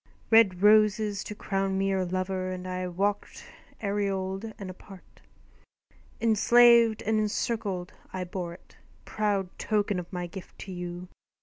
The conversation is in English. Red roses to crown me your lover, And I walked aureoled and apart. Enslaved and encircled, I bore it, Proud token of my gift to you.